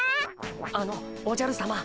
あのおじゃるさま！